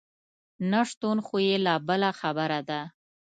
نشتون خو یې لا بله خبره ده.